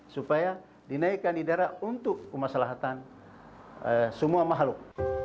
supaya dinaikkan idara untuk kemaslahatan semua makhluk